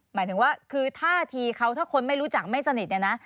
หมายถึงว่าคือท่าทีเขาถ้าคนไม่รู้จักไม่สนิทเนี่ยนะ